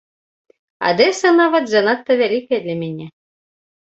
Адэса нават занадта вялікая для мяне.